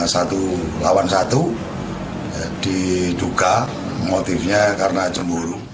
satu lawan satu diduga motifnya karena cemburu